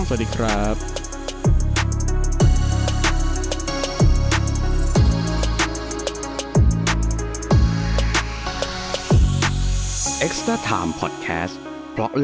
สวัสดีครับ